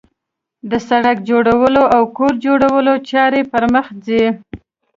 د سړک جوړولو او کور جوړولو چارې پرمخ ځي